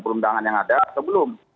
perundangan yang ada atau belum